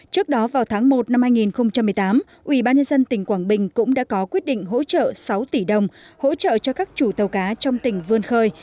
trước đó vào tháng một năm hai nghìn một mươi tám ubnd tỉnh quảng bình cũng đã có quyết định hỗ trợ sáu tỷ đồng hỗ trợ cho các chủ tàu cá trong tỉnh vươn khơi